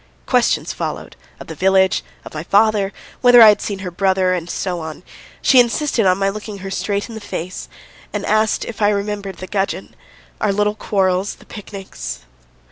Questions followed, of the village, of my father, whether I had seen her brother, and so on. She insisted on my looking her straight in the face, and asked if I remembered the gudgeon, our little quarrels, the picnics.